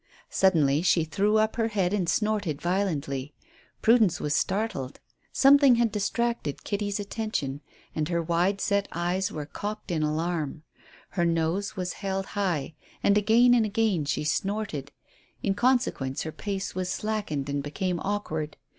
Suddenly she threw up her head and snorted violently. Prudence was startled. Something had distracted Kitty's attention, and her wide set ears were cocked in alarm. Her nose was held high, and again and again she snorted. In consequence her pace was slackened and became awkward.